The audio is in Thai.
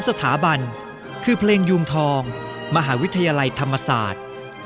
สถาบันคือเพลงยูงทองมหาวิทยาลัยธรรมศาสตร์